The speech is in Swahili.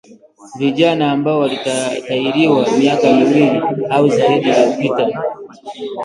Vijana ambao walitailiwa miaka miwili au zaidi iliyopita